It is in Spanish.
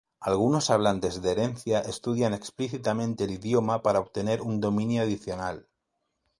Algunos hablantes de herencia estudian explícitamente el idioma para obtener un dominio adicional.